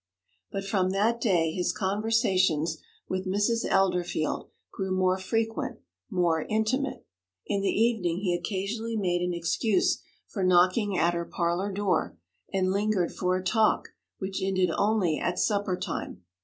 But from that day his conversations with Mrs. Elderfield grew more frequent, more intimate. In the evening he occasionally made an excuse for knocking at her parlour door, and lingered for a talk which ended only at supper time.